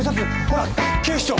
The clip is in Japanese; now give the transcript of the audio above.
ほら警視庁。